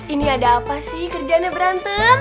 ini ada apa sih kerjaannya berantem